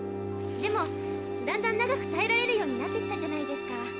でもだんだん長くたえられるようになってきたじゃないですか。